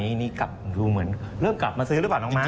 นี้เริ่มกลับมาซื้อหรือเปล่าน้องมา